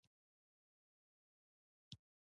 د پوځي او مالي مرستو وعده یې ورکړه.